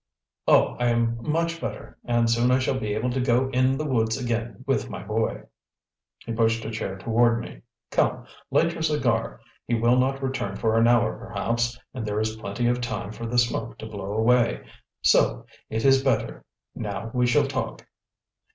Oh, I am much better, and soon I shall be able to go in the woods again with my boy." He pushed a chair toward me. "Come, light your cigar; he will not return for an hour perhaps, and there is plenty of time for the smoke to blow away. So! It is better. Now we shall talk."